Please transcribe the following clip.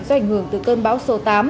do ảnh hưởng từ cơn bão số tám